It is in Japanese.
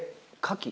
カキ。